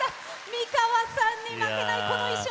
美川さんに負けない、この衣装！